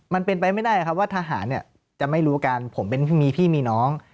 มันเป็นไปไม่ได้ว่าทหารจะไม่รู้กันผมเป็นพี่มีน้อง